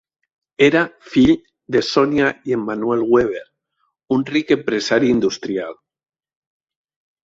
Era fill de Sonia i Emmanuel Weber, un ric empresari industrial.